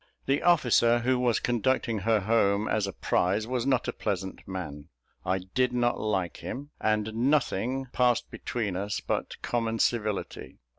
The officer who was conducting her home, as a prize, was not a pleasant man; I did not like him: and nothing passed between us but common civility.